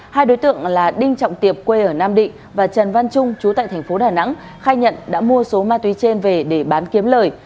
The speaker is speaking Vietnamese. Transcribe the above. hai đối tượng là đinh trọng tiệp quê ở nam định và trần văn trung chú tại thành phố đà nẵng khai nhận đã mua số ma túy trên về để bán kiếm lời